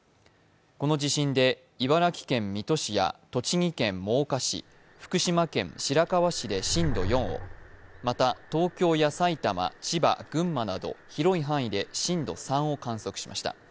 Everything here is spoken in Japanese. この地震で茨城県水戸市や栃木県真岡市、福島県白河市で震度４、また、東京や埼玉、千葉、群馬など広い範囲で震度３を観測しました。